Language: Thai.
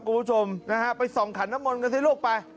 คุณผู้ชมนะฮะไปส่องขันน้ำมนต์กันสิลูกไป